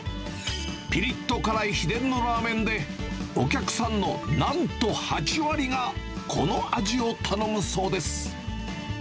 ぴりっと辛い秘伝のラーメンで、お客さんのなんと８割がこの味を頼むそうです。